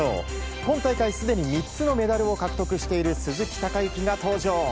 今大会すでに３つのメダルを獲得している鈴木孝幸が登場。